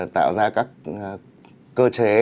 tạo ra các cơ chế